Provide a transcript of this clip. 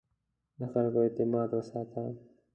د خلکو اعتماد وساته.